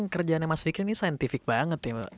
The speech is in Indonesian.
kerjaan yang mas fikri ini scientific banget ya